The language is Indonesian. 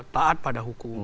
taat pada hukum